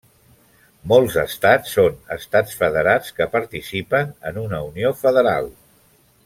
Molts estats són estats federats que participen en una unió federal.